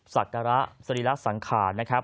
ศักระสรีระสังขารนะครับ